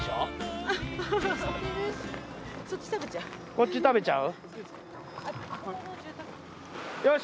そっち食べちゃう？